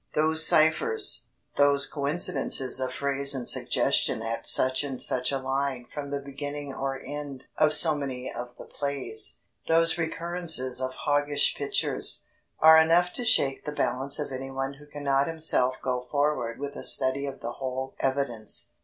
Those cyphers, those coincidences of phrase and suggestion at such and such a line from the beginning or end of so many of the plays, those recurrences of hoggish pictures, are enough to shake the balance of anyone who cannot himself go forward with a study of the whole evidence.